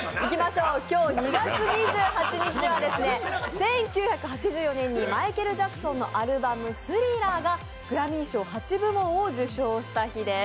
今日２月２８日は１９８４年にマイケル・ジャクソンのアルバム「Ｔｈｒｉｌｌｅｒ」がグラミー賞８部門を受賞した日です。